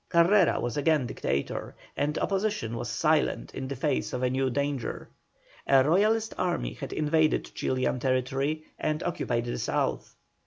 Carrera was again dictator, and opposition was silent in the face of a new danger. A Royalist army had invaded Chilian territory and occupied the South.